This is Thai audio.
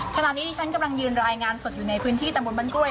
ขณะนี้ฉันกำลังยืนรายงานศ่วนอยู่ในพื้นที่ตำบรรย์บรรกล้วย